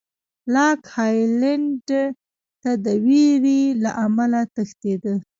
لاک هالېنډ ته د وېرې له امله تښتېد.